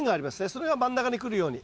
それが真ん中に来るように。